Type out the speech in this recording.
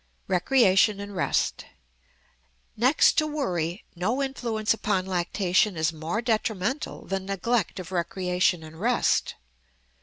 Recreation and Rest. Next to worry no influence upon lactation is more detrimental than neglect of recreation and rest.